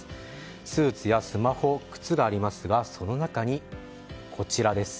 スーツやスマホ、靴がありますがその中にある、こちら。